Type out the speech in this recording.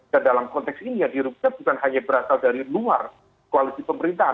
dan dalam konteks ini yang dirugikan bukan hanya berasal dari luar koalisi pemerintahan